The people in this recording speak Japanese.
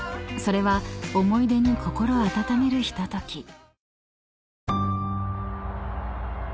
［それは思い出に心温めるひととき］